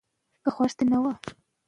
تاسو په دې اړه کوم مستند ثبوت لرئ؟